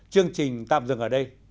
chương trình tạm dừng ở đây